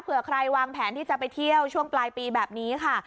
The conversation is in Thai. เผื่อใครวางแผนที่จะไปเที่ยวช่วงปลายปีแบบนี้ค่ะ